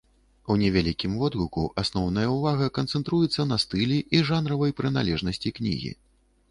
У невялікім водгуку асноўная ўвага канцэнтруецца на стылі і жанравай прыналежнасці кнігі.